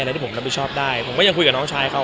ที่ผมรับผิดชอบได้ผมก็ยังคุยกับน้องชายเขา